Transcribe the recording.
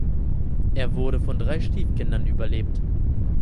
Er wurde von drei Stiefkindern überlebt.